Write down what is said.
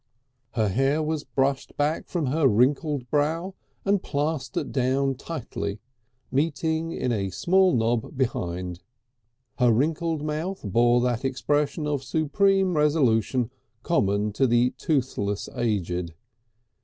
Her hair was brushed back from her wrinkled brow and plastered down tightly, meeting in a small knob behind; her wrinkled mouth bore that expression of supreme resolution common with the toothless aged.